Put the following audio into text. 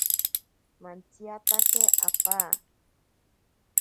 Mantsiyatake apaa.